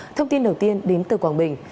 thông tin đầu tiên đến từ quảng bình